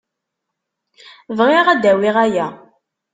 Bɣiɣ ad d-awiɣ aya.